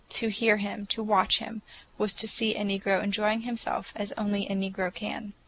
To hear him, to watch him, was to see a negro enjoying himself as only a negro can.